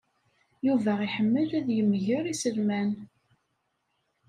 Yuba iḥemmel ad yegmer iselman.